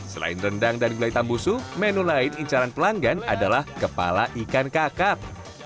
selain rendang dan gulai tambusu menu lain incaran pelanggan adalah kepala ikan kakap